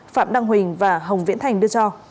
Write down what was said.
phạm đăng huỳnh và hồng viễn thành đưa cho